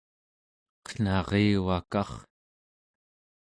eqnarivakar!